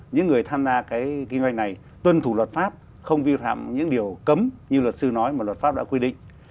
những người tham gia cái kinh doanh này tuân thủ luật pháp không vi phạm những điều cấm như luật sư nói mà luật pháp đã quy định